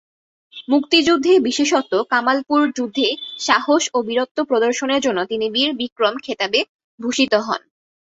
মুক্তিযুদ্ধে বিশেষত কামালপুর যুদ্ধে সাহস ও বীরত্ব প্রদর্শনের জন্য তিনি বীর বিক্রম খেতাবে ভূষিত হন।